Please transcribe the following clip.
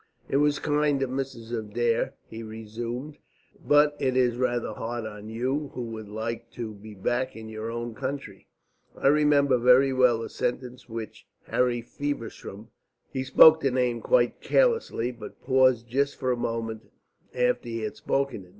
"It was kind of Mrs. Adair," he resumed, "but it is rather hard on you, who would like to be back in your own country. I remember very well a sentence which Harry Feversham " He spoke the name quite carelessly, but paused just for a moment after he had spoken it.